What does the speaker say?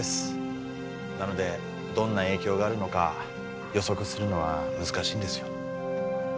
なのでどんな影響があるのか予測するのは難しいんですよ。